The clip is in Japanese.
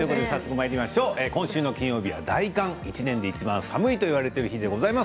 今週の金曜日は大寒１年でいちばん寒いといわれている日でございます。